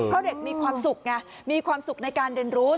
เพราะเด็กมีความสุขไงมีความสุขในการเรียนรู้